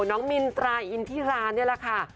น้องมินตราอินทิรานี่แหละค่ะ